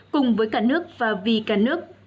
cùng với cả nước và vì cả nước